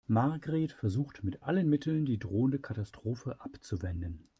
Margret versucht mit allen Mitteln, die drohende Katastrophe abzuwenden.